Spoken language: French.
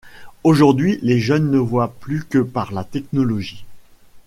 Aujourd’hui, les jeunes ne voient plus que par la technologie.